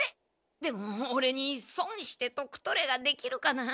でもオレに「損して得とれ」ができるかなあ。